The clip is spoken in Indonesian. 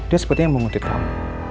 dia sepertinya mengutip kamu